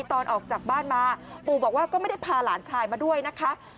ตอนออกจากบ้านมาปู่บอกว่าก็ไม่ได้พาหลานชายมาด้วยนะคะ